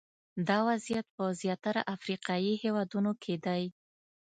دا وضعیت په زیاتره افریقایي هېوادونو کې دی.